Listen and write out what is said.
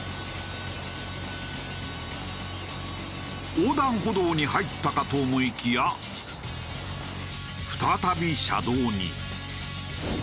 横断歩道に入ったかと思いきや再び車道に。